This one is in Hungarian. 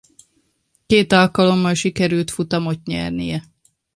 Két alkalommal sikerült futamot nyernie.